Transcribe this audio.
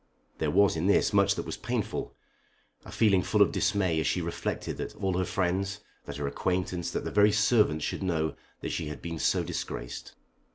There was in this much that was painful, a feeling full of dismay as she reflected that all her friends, that her acquaintance, that the very servants should know that she had been so disgraced.